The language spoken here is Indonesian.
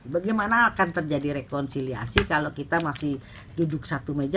bagaimana akan terjadi rekonsiliasi kalau kita masih duduk satu meja